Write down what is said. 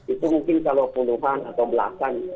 itu mungkin kalau puluhan atau belasan